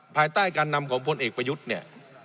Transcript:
ภายใต้การนำของพลเอกประยุทธ์เนี่ย